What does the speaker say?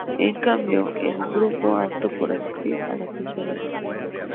En cambio, el grupo optó por asistir a la fiesta de Ann.